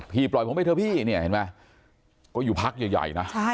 ปล่อยผมไปเถอะพี่เนี่ยเห็นไหมก็อยู่พักใหญ่นะ